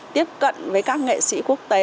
tiếp cận với các nghệ sĩ quốc tế